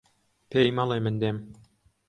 پێی مەڵێ من دێم.